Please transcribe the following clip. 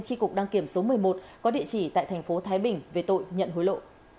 tri cục đăng kiểm số một mươi một có địa chỉ tại thành phố thái bình về tội nhận hối lộ